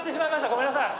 ごめんなさい。